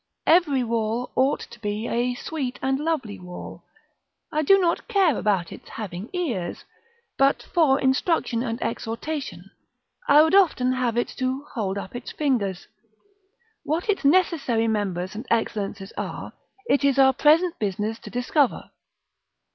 Every wall ought to be a "sweet and lovely wall." I do not care about its having ears; but, for instruction and exhortation, I would often have it to "hold up its fingers." What its necessary members and excellences are, it is our present business to discover.